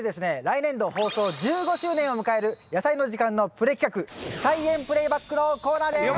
来年度放送１５周年を迎える「やさいの時間」のプレ企画「菜園プレイバック」のコーナーです！